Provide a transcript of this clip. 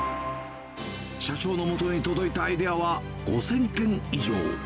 社長のもとに届いたアイデアは５０００件以上。